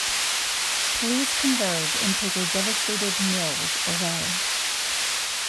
Police converge and take a devastated Mills away.